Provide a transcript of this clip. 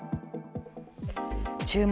「注目！